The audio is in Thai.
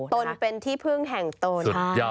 ตนเป็นที่พึ่งแห่งตน